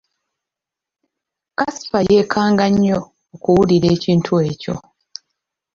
Kasifa yeekanga nnyo okuwulira ekintu ekyo.